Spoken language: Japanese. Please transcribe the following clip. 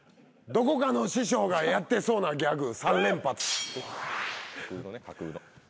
どこかの師匠がやってそうなギャグ。